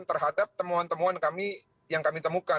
terhadap temuan temuan kami yang kami temukan